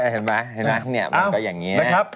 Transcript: เห็นป่ะน้ำมันก็อย่างนี้